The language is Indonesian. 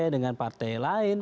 dengan partai lain